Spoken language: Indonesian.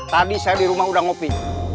tadi saya di rumah udah ngopi